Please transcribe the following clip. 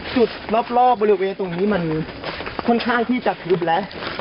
จุดรอบบริเวณตรงนี้มันค่อนข้างที่จะทึบแล้ว